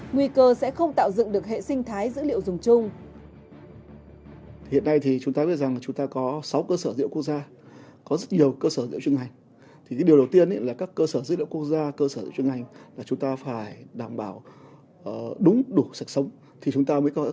nguy cơ sẽ không tạo dựng được hệ sinh thái dữ liệu dùng chung